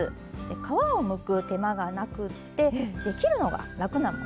皮をむく手間がなくて切るのが楽なもの。